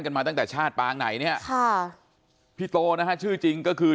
มาตั้งแต่ชาติปางไหนเนี่ยค่ะพี่โตนะฮะชื่อจริงก็คือ